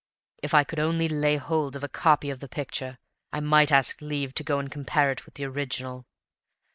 If I could only lay hold of a copy of the picture I might ask leave to go and compare it with the original.